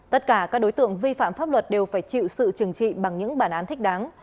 tất cả các đối tượng vi phạm pháp luật đều phải chịu sự trừng trị bằng những bản án thích đáng